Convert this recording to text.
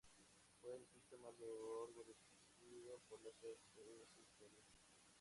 Fue el sitio más largo vivido por la ciudad en su historia.